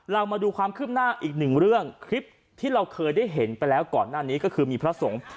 มาดูความคืบหน้าอีกหนึ่งเรื่องคลิปที่เราเคยได้เห็นไปแล้วก่อนหน้านี้ก็คือมีพระสงฆ์